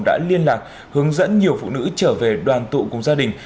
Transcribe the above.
đã liên lạc hướng dẫn nhiều phụ nữ trở về đoàn tụ cùng gia đình